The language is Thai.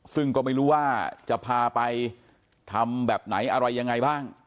ซึ่งก็ไม่รู้ว่าจะพาไปทำแบบไหนอะไรยังไงบ้าง